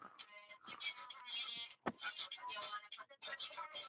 Utajifunza kwamba kusudi la Mungu halitanguki kwamba